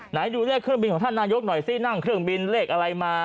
ไหนดูเลขเครื่องบินของท่านนายกหน่อยสินั่งเครื่องบินเลขอะไรมา